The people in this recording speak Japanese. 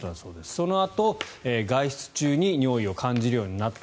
そのあと、外出中に尿意を感じるようになった。